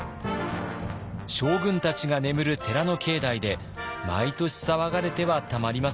将軍たちが眠る寺の境内で毎年騒がれてはたまりません。